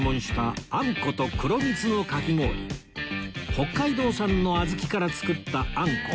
北海道産のあずきから作ったあんこ